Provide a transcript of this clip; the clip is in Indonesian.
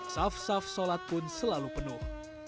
saf saf sholat pun selalu penuh